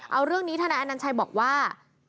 เอาเรื่องนี้ทนายอนัญชัยบอกว่า